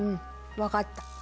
分かった？